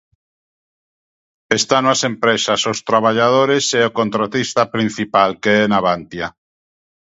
Estano as empresas, os traballadores e o contratista principal que é Navantia.